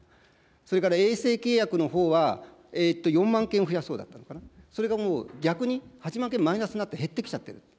それから、衛星契約のほうは、４万件増やそうだったのかな、それがもう逆に８万件のマイナスになって、減ってきちゃってると。